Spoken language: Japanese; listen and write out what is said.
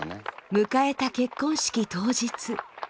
迎えた結婚式当日。